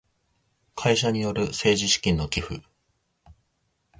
会社による政治資金の寄付